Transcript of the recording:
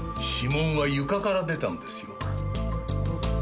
指紋は床から出たんですよ？